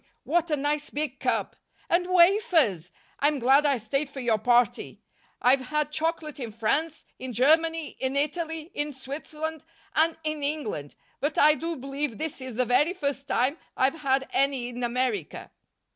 What a nice big cup! And wafers! I'm glad I stayed for your party. I've had chocolate in France, in Germany, in Italy, in Switzerland and in England, but I do believe this is the very first time I've had any in America."